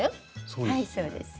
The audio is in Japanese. はいそうです。